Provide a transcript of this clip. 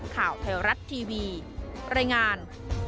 ข่าวไทยรัฐทีวีรายงาน